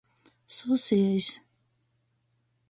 Susiejs.